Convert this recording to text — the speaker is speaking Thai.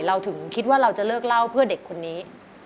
เราถึงคิดว่าเราจะเลิกเล่าเพื่อเด็กคนนี้